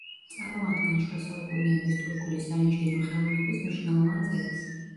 წარმოადგენს შუა საუკუნეების თურქული საინჟინრო ხელოვნების მნიშვნელოვან ძეგლს.